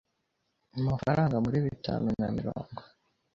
Mpa amafaranga muri bitanu na mirongo.